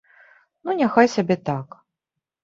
Ну няхай сабе так.